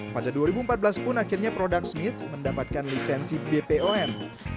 pada dua ribu empat belas pun akhirnya produk smith mendapatkan lisensi bpom